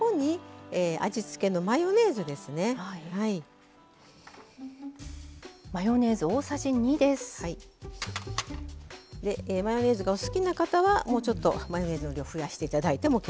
でマヨネーズがお好きな方はもうちょっとマヨネーズの量増やして頂いても結構です。